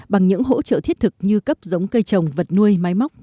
bằng những hỗ trợ thiết thực như cấp giống cây trồng vật nuôi máy móc